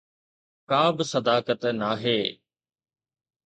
ڪابه صداقت ناهي